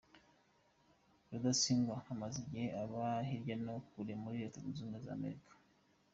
Rudasingwa amaze igihe aba hirya iyo kure, muri Leta Zunze Ubumwe za Amerika.